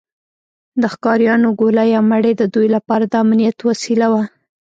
د ښکاریانو ګوله یا مړۍ د دوی لپاره د امنیت وسیله وه.